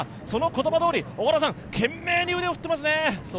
その言葉どおり、懸命に腕を振っていますね。